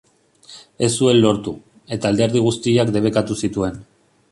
Ez zuen lortu, eta alderdi guztiak debekatu zituen.